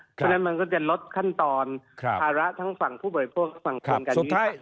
เพราะฉะนั้นมันก็จะลดขั้นตอนภาระทั้งฝั่งผู้บริโภคทั้งฝั่งคนการยุทธิธรรม